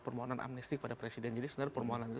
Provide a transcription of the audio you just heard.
permohonan amnesty kepada presiden jadi sebenarnya permohonan itu